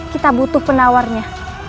kita butuh penawarnya